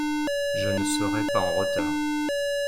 Je ne serai pas en retard.